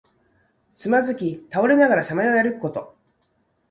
つまずき倒れながらさまよい歩くこと。